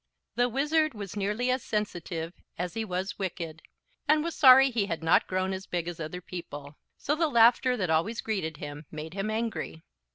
The Wizard was nearly as sensitive as he was wicked, and was sorry he had not grown as big as other people; so the laughter that always greeted him made him angry.